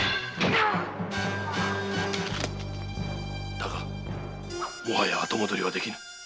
だがもはや後戻りはできぬ！